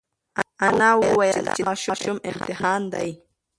انا وویل چې دا ماشوم امتحان دی.